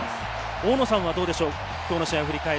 大野さんはどうでしょう？